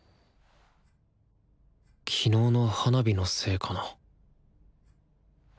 昨日の花火のせいかな